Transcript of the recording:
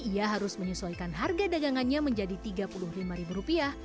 ia harus menyesuaikan harga dagangannya menjadi tiga puluh lima ribu rupiah